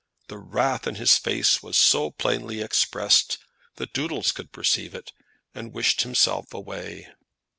The wrath in his face was so plainly expressed that Doodles could perceive it, and wished himself away.